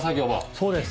そうです。